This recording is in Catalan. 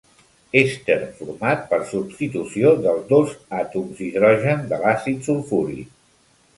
Èster format per substitució dels dos àtoms d'hidrogen de l'àcid sulfúric.